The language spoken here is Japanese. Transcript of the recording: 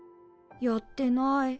やってない。